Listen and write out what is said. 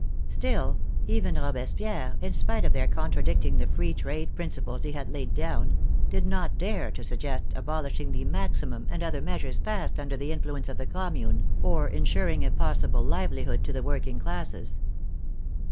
Still, even Robespierre, in spite of their contradicting the free trade principles he had laid down, did not dare to suggest abolishing the maximum and other measures passed under the influence of the Commune for ensuring a possible livelihood to the working classes.